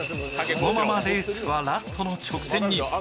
そのままレースはラストの直線に。